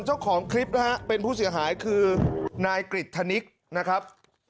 เจ้าของคลิปนะฮะเป็นผู้เสียหายคือนายกริจธนิกนะครับ